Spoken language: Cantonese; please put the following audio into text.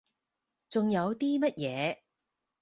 仲有啲乜嘢？